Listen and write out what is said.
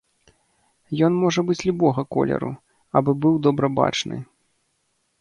Ён можа быць любога колеру, абы быў добра бачны.